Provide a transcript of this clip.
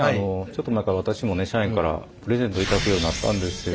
ちょっと前から私もね社員からプレゼントを頂くようになったんですよ。